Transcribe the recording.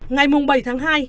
ngày bảy tháng hai